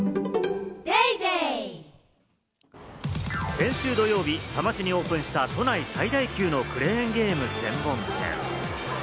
先週土曜日、多摩市にオープンした都内最大級のクレーンゲーム専門店。